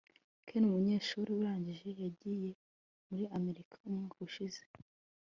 ken, umunyeshuri urangije, yagiye muri amerika umwaka ushize